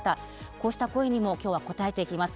こうした声にも今日は応えていきます。